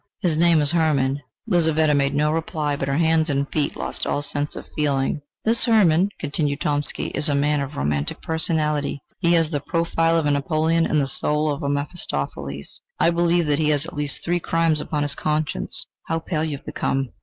"His name is Hermann." Lizaveta made no reply; but her hands and feet lost all sense of feeling. "This Hermann," continued Tomsky, "is a man of romantic personality. He has the profile of a Napoleon, and the soul of a Mephistopheles. I believe that he has at least three crimes upon his conscience... How pale you have become!"